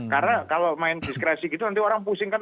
karena kalau main diskresi gitu nanti orang pusing kan